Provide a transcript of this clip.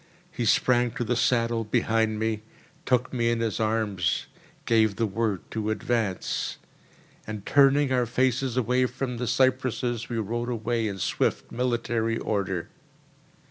He sprang to the saddle behind me, took me in his arms, gave the word to advance; and, turning our faces away from the cypresses, we rode away in swift, military order.